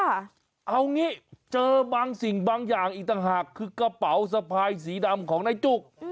เอางี้เจอบางสิ่งบางอย่างอีกต่างหากคือกระเป๋าสะพายสีดำของนายจุก